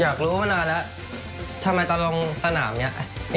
อยากรู้มานานแล้วทำไมตอนลงสนามอย่างนี้